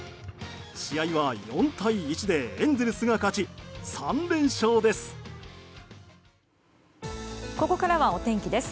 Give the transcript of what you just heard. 試合は４対１でエンゼルスが勝ち、３連勝です。